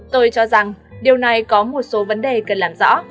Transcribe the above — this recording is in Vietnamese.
tôi cho rằng điều này có một số vấn đề cần làm rõ